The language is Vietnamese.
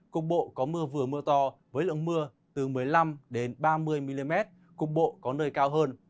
cục bộ có mưa vừa mưa to với lượng mưa từ một mươi năm ba mươi mm cục bộ có nơi cao hơn